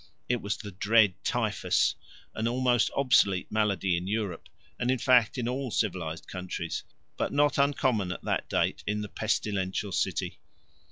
It was the dread typhus, an almost obsolete malady in Europe, and in fact in all civilized countries, but not uncommon at that date in the pestilential city.